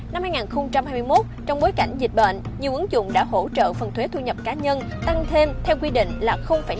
năm hai nghìn hai mươi một trong bối cảnh dịch bệnh nhiều ứng dụng đã hỗ trợ phần thuế thu nhập cá nhân tăng thêm theo quy định là tám mươi